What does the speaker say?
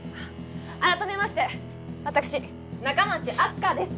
改めまして私仲町あす花です